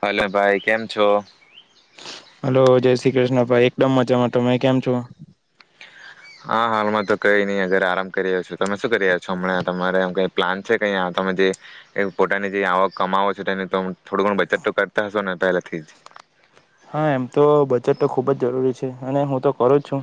Hello ભાઈ કેમ છો. હલો જય શ્રી કૃષ્ણ ભાઈ એકદમ મજામાં ટમે કેમ છો? હા હાલમાં તો કઈ નહી અગર આરામ કરી રહ્યા છો તમે શું કરી રહ્યા છો હમણાં તમામ કઈ પ્લાન છે ક તમે જે પોતાની જે આવક કમાવો છો તેની તો થોડું ઘણ બચત તો કરતા હશો ને પહેલાથી જ? હા એમ તો બજત ખુબ જ જરૂરી છે અને હું તો કરું જ છું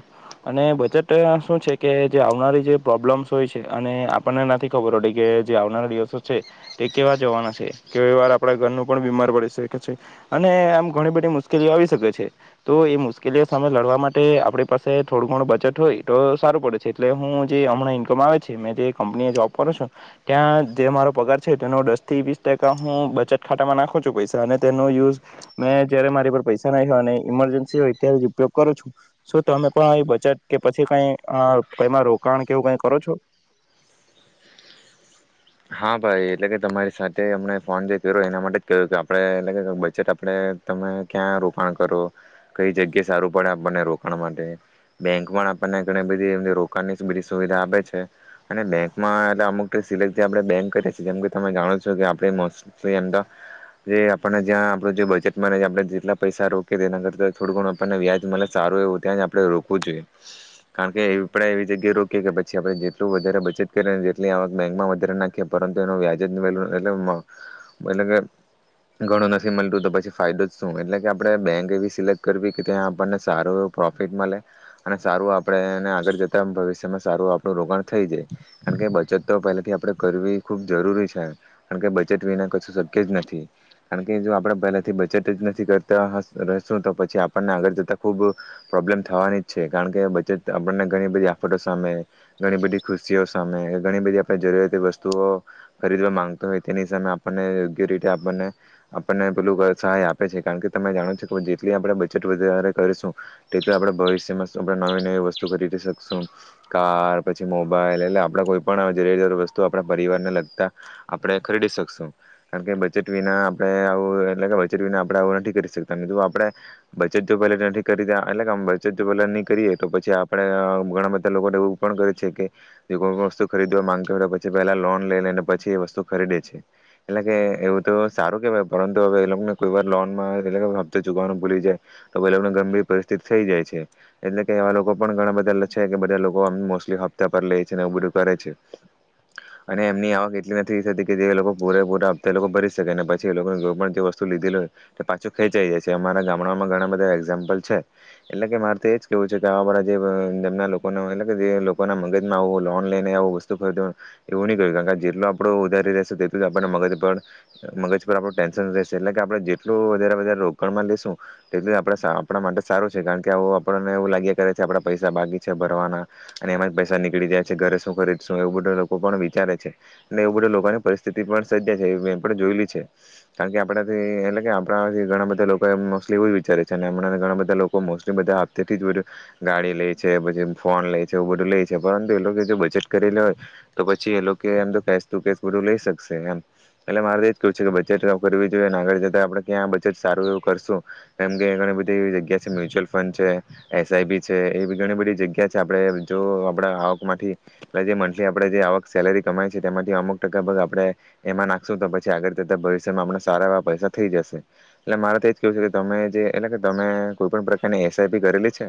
અને બજેટ શું છે કે જે આવનારી જે પ્રોબ્લેમ્સ હોય છે અને આપણને નથી ખબર પડી કે જે આવનારા દિવસો છે તે કેવા જવાના છે કેવી વાર આપણા ઘરનું પણ બીમાર પડી શકે છે અને આમ ઘણી બધી મુશ [unintelligible] આવી શકે છે તો એ મુશ્કેલીઓ સામે લડવા માટે આપણી પાસે થોડું ઘણું બચત હોય તો સારું પડે છે એટલે હું જે હમણાં ઈન્કમ આવે છે મેં જે કંપની જોબ કરો છું ત્યાં જે મારો પગાર છે તેનો દસ થી વીસ ટકા હું બચત ખાતામાં નાખું છું પૈસા અને તેનો યુઝ મેં જ્યારે મારી પર પૈસા ના હો અને ઇમરજન્સી હોય ત્યારે ઉપયોગ કરો છું શું તમે પણ બચત કે પછી કઈ કમાં રોકાણ કેવું કઈ કરો છો? હા ભાઈ એટલે કે તમારી સાથે અમને ફોન જે કર્યો એના માટે જ કહ્યું કે આપે એટલે બજેટ આપણે તમે ક્યાં રોકાણ કરો કઈ જગ્યા સારું પડે આપણને રોકાણ માટે બેંકમાં આપણને ઘણી બધી એ રોકાણની બધી સુવિધા આપે છે અને બેંકમાં એટલે અમુક સિલેક આપ બેંક કરીી જેમ કે તમે જાણો છો કે આપણે મોસ્ટલી એમ આપને જ્યાં આપ જે બજેટમાં આપણે જેટલા પૈસા રોકીએ તેના કરતા થોડું ઘણું આપણને વ્યાજ સારું એવું ત્યાં જ આપણે રોકવું જોઈએ કારણ કે એવી જગ્યાએ રોકીએ કે પછી આપણે જેટલું વધારે બચેત કરીએ જેટલી બેંકમાં નાખએ પરંતુ એ વ્યાજલ એ એટલે કે ઘણું નથી મળતું તો પછી ફાયદો જ શું એટલે કે આપણે બેંક એવી સિલેક્ટ કરવી કે ત્યાં આપણને સારું એવું પ્રોફિટ મળે અને સારું આપણે એને આગળ જતા ભવિષ્યમાં સારું આપણું રોકાણ થઈ જાય કારણ કે બચત તો પહેલાથી આપ કરવી ખુબ જરૂરી છે કારણ કે બચેટ વિના કશું શક્ય જ નથી કારણ કે જો આપણે પહેલાથી બચેટ જ નથી કરતા રહેશું તો પછી આપણને આગળ જતાં ખુબ પ્રોબ્લેમ થવાની જ છે કારણ કે બચેત આપણને ઘણી બધી આફતો સામે ઘણી બધી ખુશીઓ સામે કે ઘણી બધી આપણે જરૂરિયાતી વસ્તુ ખરીદવા માંગતો હોય તેની સામે આપણને યોગ્ય રીતે આપણને આપણને પેલું સહાય આપે છે કારણ કે તમે જાણો છો કે જેટલી આપણે બચત વધારે કરીશું તેટલ આપણે ભવિષ્યમાં નવી નવી વસ્તુ ખરીદી શકશું કાર પછી મોબાઈલ એટલે આપણે કોઈ પણસ્તુ પરિવારને લતા આપણે ખરીદી શકશું કારણ કે બચેટ વિના આપણે આવું એટલે બચેટ વિના આપણે આવું નથી કરી શકતા જો આપણે બચેત પહે નથી કરી એટલે કે બચત પે નહી કરીએ તો પછી આપણેે ઘણા બધા લોકોને એવું પણ કરે છે કે જે કોઈ વસ્તુ ખરીદવા માંગતા હોય તો પેલા લોન લઈ લેને પછી એ વસ્તુ ખરીદે છે એટલે કે એવું તો સારું કેવાય પરંતુ હવે એ લોકોને કોઈ વા લોન હપ્ ચુગવાનું ભૂલી જાય તો એ લોકોને ગંભીર પરિસ્થિતિ થઈ જાય છે એટલે કે એવા લોકો પણ ઘણા બધા છે બધા લોકો મોસ્ટલી હપ્તા પર લે છે ને એવું બધું કરે છે. અને એમની આવક એટલી નથી થતી કે જે લોકો પૂરે પૂરે હતા એ લોકો ભરી શકે પછી એ લોકોને પણ વસ્તુ લીધેલી હોય તો પાછું ખેંચાઈ જાય છે અમારા ગામડામાં ઘણા બધા એક્ઝામ્પલ છે એટલે કે મારે તો એજ કેવું છે કે આવા બધા જેના લોકો એટલે જે લોકોના મગજમાં આવું લોન લઈને આવ વસ્તુ ખરી એવું નહીં કર્યું કારણ કે જેટલ આપડું ઉધારી રહેશેું તેટલું જ આપણે મગજ પર મગજ પર આપણું ટેન્શન રહેશે એટલે કે આપડણે જેટલું વધારે વધારે રોકાણમાં લેશું તેટલું જ આપ આપણા માટે સારું છે કારણ કે આવ આપણને એવું લાગ્યા કરે છે આપડા પૈસા બાકી છે ભરવાના અને એમાં જ પૈસા નીકળી જાય છે ઘરે શું કરીશું એવું બધું [unintelligible] વિચારે છે ને એવું બધું લોકોની પરિસ્થિતિ પણ સજ્જે છે એ પણ જોયલી છે કારણ કે આપણાથી એટલે કે આપણાથી ઘણા બધા લોકો એ મોસ્ટલી એવું જ વિચારે છે હમણા ગણા બધા લોકો મોસ્ટલી બધા હતીથી ગાડી લે છે પછી ફોન લે છે એવુ બધું લે છે પરંતુ એ લોકો જો બચેત કરેલી હોય તો પછી એ લોકો એમ તો કેશ તું કેશ બધું લઈ શકશે એમ એટલે મારે તો એજ કવું છે કે બજેટ કરવી જોઈએ ને આગળ જતા આપડે ક્યાં બજેટ સારું એવું કરશું એમ કે ઘણી બધીવી જગ્યા છે મ્યુચવલ ફંડ છે એસઆઈ બી છે એ બ ઘણી બધી જગ્યા છે આપણે જો આપડા આવકમાંથી જે મંથલી આપડે જે આવક સેલેરી કમાય છે તેમાંથી અમુક ટકા આપડે એમાં નાખશું તો પછી આગળ જતા ભવિષ્યમાં આપડા સારા એવા પૈસા થઈ જશે એટલે મારે તો એજ કેવું છે કે તમે જે એટલે કે તમે કોઈ પણ પ્રકારની એસઆઈપી કરેલી છે.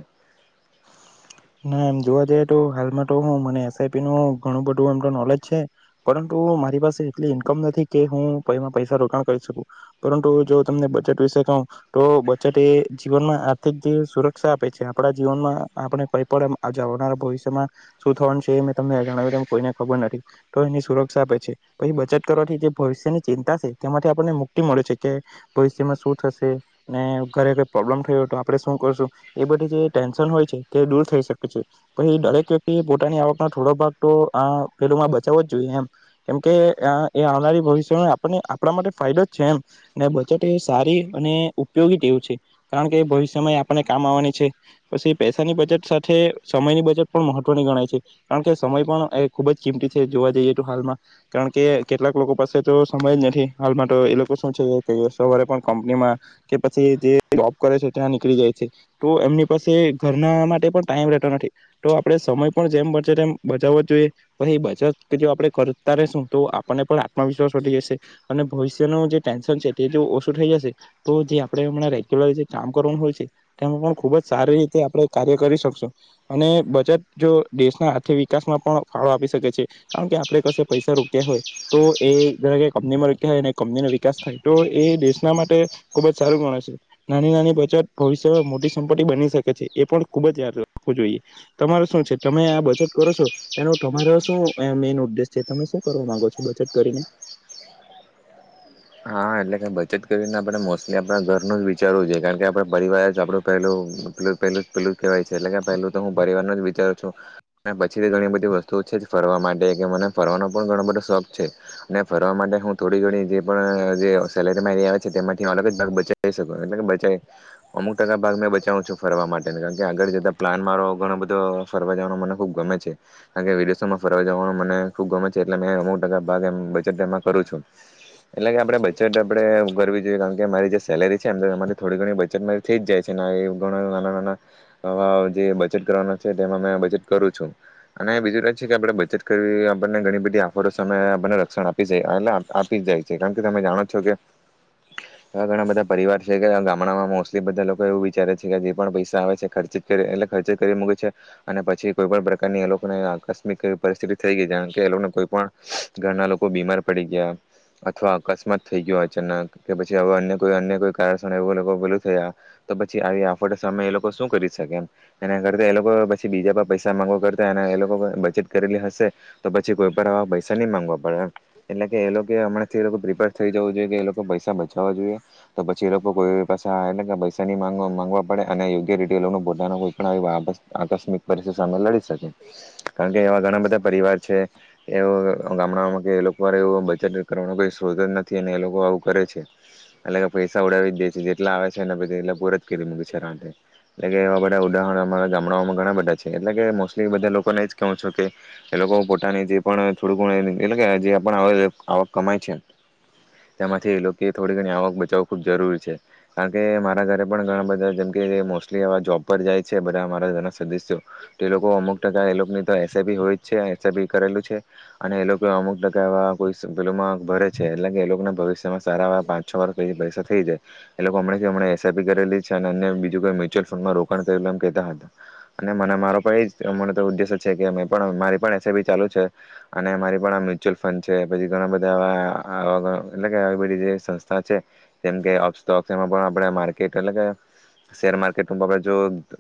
ના એમ જોવા જઈએ તો હાલમાં તો મને એસઆઈપી નું ઘણું બધું એમ નોલેજ છે પરંતુ મારી પાસે એટલી ઈન્કમ નથી કે હું પમાં પૈસા રોકાણ કરી શકું પરંતુ જો તમને બચેટ વિશે કહું તો બચેટ એ જીવનમાં આર્થિક જે સુરક્ષા આપે છે આપણા જીવનમાં આપણે કઈ પણ આવનારા ભવિ્યમાં શું થવાનું છે એ મેં તમને જણાવીમ કોઈને ખબર નથી તો એની સુરક્ષા આપે છે પ એ બચત કરવાથી જે ભવિષ્યની ચિંતા છે તેમાંથી આપણને મુક્તિ મળે છે કે ભવિષ્યમાં શું થશે ને ઘરે કોઈ પ્રોબ્લેમ થયો હોય તો આપણે શું કરશું એ બધી જે ટેન્શન હોય છે તે દૂર થઈ શકે છે તો એ દરેક વ્યક્તિ એ પોતાની આવકનો થોડો ભાગ તો આ પેડમાં બચાવો જ જોઈએ એમ કેમ એ આવનારી ભવિષ્યમાં આપને આપણા માટે ફાયદો જ છે એમ બચત એ સારી અને ઉપયોગી વું છે કારણ કે ભવિષ્યમાં આપને કામ આવવાની છે. પછી પૈસાની બચત સાથે સમયની બચત પણ મહત્વની ગણાય છે કારણ કે સમય પણ એ ખૂબ જ કિંમતી છે જોવા જઈએ તો હાલમાં કારણ કે કેટલાક લોકો પાસે તો સમય જ નથી હાલમાં તો એ લોકો શું છે સવારે પણ કંપનીમાં કે પછી જે જોબ કરે છે ત્યાં નીકળી જાય છે તો એમની પછ એ ઘરના માટે પણ ટાઈમ રહેતો નથી તો આપણે સમય પણ જેમ બે તેમ બચાવવો જોઈએ પછી બચત જો આપણે કરતા રહેશું તો આપણને પણ આત્મવિશ્વાસ વધી જશે અને ભવિષ્યનું જે ટેન્શન છે તે જો ઓછું થઈ જશે તો જે આપણે હમણાં રેગ્યુલર જે કામ કરવાનું હોય છે તેમાં પણ ખુબ જ સારી રીતે આપણે કાર્ય કરી શકશું અને બચત જો દેશના આર્થિક વિકાસમાં પણ ફાળો આપી શકે છે કારણ કે આપણે કશે પૈસા રોક્યા હોય તો એ જરે કે કંપનીમાં રોક્યા હોય અને કંપનીનો વિકાસ થાય તો એ દેશના માટે ખુબ જ સારું ગણ છે નાની નાની બચત ભવિષ્યમાં મોટી સં [unintelligible] ટી બની શકે છે એ પણ ખુબ જ યાદ રાખવું જોઈએ તમારે શું છે તમે આ બજેટ કરો છો એનો તમારો શું મેન ઉદ્દેશ છે તમે શું કરવા માંગો છો બજત કરીને. હા એટલે કે બચત કરીને આપણે મોસ્ટલી આપણા ઘરનું જ વિચારવું જોઈએ કારણ કે આપણે પરિવાર જ આપણું પહેલું પહેલું જ પહેલું જ કહેવાય છે એટલે કે પહેલું તો હું પરિવારનું જ વિચારું છું અને પછીથી ઘણી બધી વસ્તુઓ છે જ ફરવા માટે કે મને ફરવાનો પણ ઘણો બધો શોખ છે અને ફરવા માટે હું થોડી ઘણી જે પણ જે સેલેરી મારી આવે છે તેમાંથી હું અલગ જ ભાગ બચાવી શકું એટલે કે બચાવ અમુક ટકા ભાગ મેં બચાવું છું ફરવા માટે કારણ કે આગળ જતાં પ્લાન મારો ઘણો બધો ફરવા જવાનો મને ખુબ ગમે છે કારણ કે વિડી શોમાં ફરવા જવાનો મને ખુબ ગમે છે એટલે મેં અમુક ટકા ભાગ એમ બચેટ એમાં કરું છું. એટલે કે આપડે બ [unintelligible] કરવી જોઈએ કારણ કે અરી જે સેલેરી છેરી થોડી ઘણી બચતરી થઈ જ જાય છે એ ઘણા નાના નાના જે બચેટ કરવાના છે તેમાં બચેટ કરું છું અને બીજું એ છે કે આપણે બચત કરવી આપણને ઘણી બધી આફતો સામે આપને રક્ષણ આપી જાય એ આપી જાય છે કારણ કે તમે જાણો જોકે ઘણા બધા પરિવાર છે કે ગામડામાં મોસ્ટલી બધા લોકો એવું વિચારે છે કે જે પણ પૈસા આવે છે ખર્ એટલે ખર્ચ કરી મૂકે છે અને પછી કોઈ પણ પ્રકારની એ લોકોને આકસ્મિક પરિસ્થિતિ થઈ ગઈ કારણ કે એ લોકોને કોઈ પણ ઘરના લોકો બીમાર પડી ગયા અથવા અકસ્માત થઈ ગયો અચાનક કે પછી હવે અન્ય કોઈ અન્ય કોઈ કારણસ એ લોકો ભેલું થયા તો પછી આવી આફડ સામે એ લોકો શું કરી શકે એમ એના કરતા એ લોકો પછી બીજા પર પૈસા માંગવા કરતા એ લોકો બચત કરેલી હશે તો પછી કોઈ પણ આવા પૈસા નહી મામાંગવા પડે એટલે કે એ લોકો હમણાંથી લોકો પ્રિપેર થઈ જવું જોઈએ કે એ લોકો પૈસા બચાવવા જોઈએ તો પછી એ લોકો કોઈ પાસે પૈસા ની માંગવા પડે અને યોગ્ય રીતે એ લોકો પોતા કોઈ આકસ્મિક પરિથિતિ સામે લડી શકે કારણકે એવા ઘણા બધા પરિવાર છે એ ગામડામાં કે લોકોવ બચત કરવાનોઈ શો નથી એ લોકો આવું કરે છે એટલે કે પૈસા ઉડાવી જ દે છે જેટલા આવે છેને પ એલા પૂર જ કરી મૂકી છે એટલે કે એવા બધા ઉદાહરણ અ ગામડાઓમાં ઘણા બધા છે એટલે કે મોસ્ટલી બધા લોકોને એજ કહવું છો કે એ લોકો પોતાની જે પણ થોડું ઘ એટલે કે જે આવક કમાય છે. તેમાંથી એ લોકો થોડી ઘણી આવક બચાવું ખુબ જરૂરી છે કારણ કે મારા ઘરે પણ ઘણા બધા જેમ કે મોસ્ટલીવા જોબ પર જાય છે બધા મારા ઘરના સદસ્યો તો એ લોકો અમુક ટકા એ લોકોની તો એસઆઈપી હોય જ છે એસઆઈીપી કરેલું છે અને એ લોકો અમુક ટકા એવા કોઈ પેલોક ભરે છે. એટલે કે એ લોકોને ભવિષ યમા સારા પાં છ વર્ષ પહી પૈસા થઈ જાય એ લોકો હમણે જે હમણે એસઆઈપી કરેલી છે અને અ બીજું કોઈ મ્યુચ્યુઅલ ફંડમાં રોકાણ કરેલુ એમ કેહેતા હતા અને મને મારો પણ એજ અ મને તો ઉદ્દેશ્ય છે કે અમે પણ મારી પણ એસાયપી ચાલુ છે અને અમારી પણ આ મ્યુચ્યુઅલ ફંડ છે પછી ઘણા બધા આવા હા આવા એટલે કે આવી બધી જે સંસ્થા છે. કેમ કે ઓફ સોક્ એમાં પણ આપણે માર્કેટ એટલે કે શેર મારકેટમાં બ જો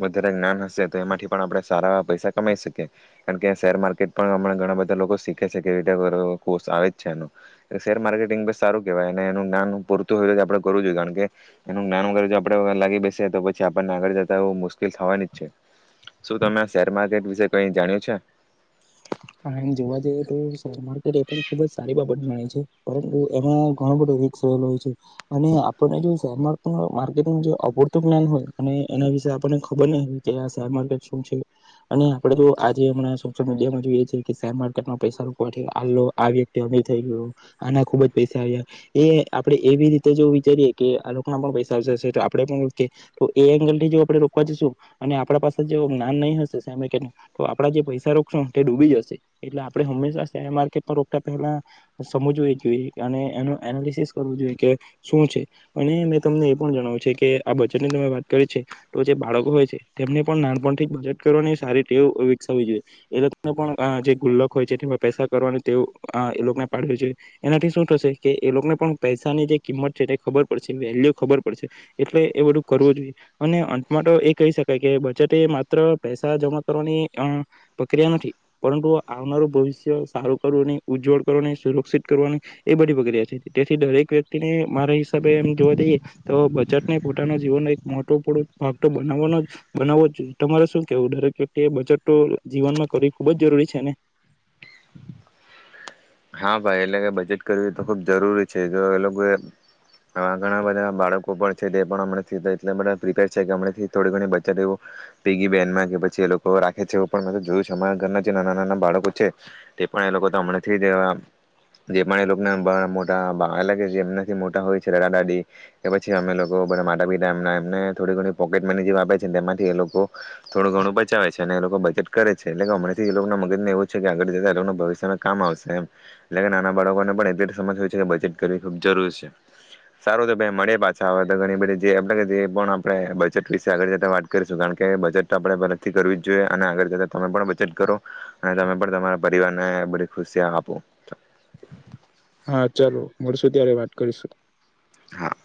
વધારે જ્ઞાન હશે તો એમાંથી પણ આપણે સારા પૈસા કમાઈ શકીએ કારણ કે શેર માર્કેટ પણ હમણાં ઘણા બધા લોકો શીખે છે કેવી રીતે કરો કોર્ષ આવે જ છે એનો શેર માર્કેટિંગ બી સારું કેવાય એનું જ્ઞાન તુ હોય તો આપણે કરવું જોઈએ કારણ કે એનું જ્ઞાન વગર જ આપણે લાગી બેસે તો પછી આપણને આગળ જતા એવુ મુશ્કેલ થવાની જ છે શું તમે શેર માર્કેટ વિશે કઈ જાણ્યું છે. હા એમ જોવા જઈએ તો શેર માર્કેટ એ પણ ખુબ જ સારી બાબત ગણાય છે પરંતુ એમાં ઘણો બધો રીકસ રહેલો હોય છે અને આપણને જો શેર માર્કેટ અપૂરતું જ્ઞાન હોય અને એના વિશે આપને ખબર નહી હો કે આ શેર માર્કેટ શું છે અને આપડે તો આજે હમણાં સોશિયલ મીડિયામાં જોઈએ કેમકે શેર માર્કેટમાં પૈસા રોકવાથી આલો આ વ્યક્તિ અમીર થઈ ગયો આના ખુબ જ પૈસા આવ્યા એ આપડે એવી રીતે જો વિચારીએ કે આ લોકો ના પણ પૈસા આવશે હશે તો આપડે પણ રોકીએ તો એ એંગલ થી જો આપણે રોકવા જઈશું અને આપડા પાસે જો જ્ઞાન નહીં હશે શેર માર્કેટ તો આપડા જે પૈસા રોકશો તે ડૂબી જશે છે એટલે આપણે હંમેશા શેર માર્કેટ પર રોકતા પહેલા સમજવી જોઈએ અને એનું એનાલિસિસ કરવું જોઈએ કે શું છે અને મેં તમને એ પણ જણાવ્યું છે કે આ બજેટની તમે વાત કરી છે તો જે બાળકો હોય છે તેમને પણ નાનપણ થી બજેટ કરવાની સારી ટેવ વિકસાવવી જોઈએ એલોકોને પણ આ જે ગુલ્લક હોય છે તેમાં પૈસા કરવાનું તેવ અ એ લોકોને પાડ્યું છે એનાથી શું થશે કે એ લોકોને પણ પૈસાની જે કિંમત છે તે ખબર પડશે વેલ્યુ ખબર પડશે એટલે એ બધું કરવું જોઈએ અને અંત માતો એ કહી શકાય કે બજેટ એ માત્ર પૈસા જમા કરવાની અ પ્રક્રિયા નથી પરંતુ આવનારું ભવિષ્ય સારું કરવુંની ઉજ્જવળ કરવાની સુરક્ષિત કરવાની એ બધી પ્રક્રિયા છે તેથી દરેક વ્યક્તિને મારા હિસાબે એમ જોવા જઈએ તો બજટને પોતાના જીવનનો એક મોટો પોળો ભાગ તો બનાવવાનો બનાવો જોઈએ તમારે શું કેવું દરેક વ્યક્તિ એ બચતતો જીવનમાં કરવી ખૂબ જ જરૂરી છે ને હા ભાઈ એટલે કે બચત કરવી તો ખૂબ જરૂરી છે જો એ લોકોએ અ ઘણા બધા બાળકો પણ છે તે પણ હમણાથી એટલે બધા પ્રીપેર છે કે હમણાં થોડી ઘણી બચત એવો પેગી બેનમાં કે પછી એ લોકો રાખે છે એવું પણ મે તો જોયું અમારા ઘરના જે નાના નાના બાળકો છે તે પણ એ લોકોતો અમણેથી જ જે જે પણ એ લોકોના [unintelligible] જે એમનાથી મોટા હોય છે દાદા દાદી એ પછી અમે લોકો બધા માતા પિતા એમના એમને થોડી ઘણી પોકેટ મની જે વાપે છે તેમાંથી એ લોકો થોડું ઘણું બચાવે છે અને એ લોકો બચત કરે છે એટલે કે હમણેથી એ લોકોના મગજને એવું છે કે આગળ જતા એ લોકો ભવિષ્યમાં કામ આવશે એટલે કે નાના બાળકોને પણ એટલી સમજ હોય છે કે બચત કરવી ખુબ જરૂર છે સારું તો ભાઈ મળીયે પાછા વે તો ઘણી બધી જે જે પણ આપણે બચત વિશે આગળ જતા વાત કરીશું કારણ કે બચત તો આપણે પહેથી કરવી જ જોઈએ અને આગળ જતા તમે પણ બચત કરો અને તમે પણ તમારા પરિવારને બધી ખુશિયા આપ [unintelligible] હા ચાલો મળશું ત્યારે વાત કરીશું હા